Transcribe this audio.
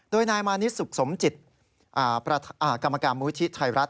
โดยนายมานิสสุขสมจิตกรรมกรมมุยที่ไทยรัฐ